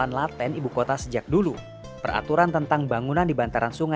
tingginya penduduk yang tinggal di kota jakarta yang diangkat juga termakan permukiman